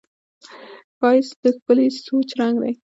ښایست د ښکلي سوچ رنګ دی